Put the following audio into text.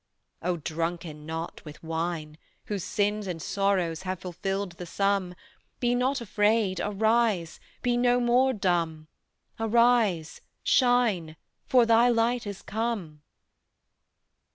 "O drunken not with wine, Whose sins and sorrows have fulfilled the sum, Be not afraid, arise, be no more dumb; Arise, shine, For thy light is come."